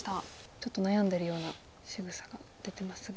ちょっと悩んでるようなしぐさが出てますが。